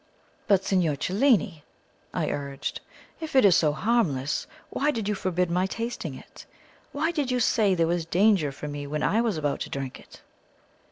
"But, Signor Cellini," I urged, "if it is so harmless, why did you forbid my tasting it? Why did you say there was danger for me when I was about to drink it?"